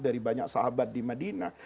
dari banyak sahabat di madinah